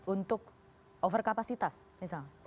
untuk overkapasitas misalnya